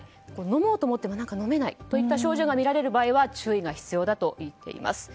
飲もうと思っても飲めないといった症状が見られる場合は注意が必要だといいます。